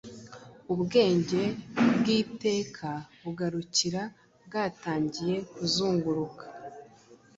Ubwenge bw'iteka bugarukira bwatangiye kuzunguruka